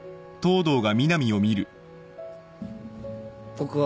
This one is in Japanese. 僕は。